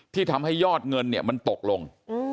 ที่ทำให้ยอดเงินเนี่ยมันตกลง